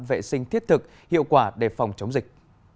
vệ sinh thiết thực hiệu quả để phòng chống dịch